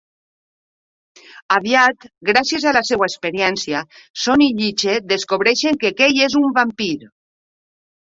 Aviat, gràcies a la seva experiència, Son i Yi-Che descobreixen que Kei és un vampir.